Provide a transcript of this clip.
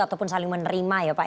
ataupun saling menerima ya pak